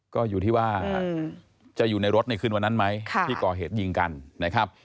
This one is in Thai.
ก็อยู่ที่ว่าจะอยู่ในรถในคืนวันนั้นไหมที่ก่อเหตุยิงกันนะครับ